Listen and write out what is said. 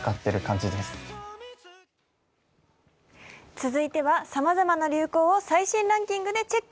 続いては、さまざまな流行を最新ランキングでチェック。